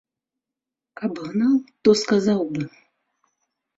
Каб гнаў, то сказаў бы.